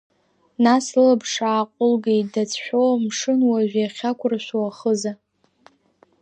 Нас лылаԥш ааҟәылгеит, дацәшәоу, амшын уажә иахьақәыршәу ахыза.